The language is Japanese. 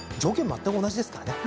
まったく同じですからね。